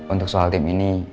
untuk soal tim ini